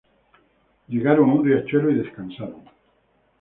Llegaron a un riachuelo y descansaron.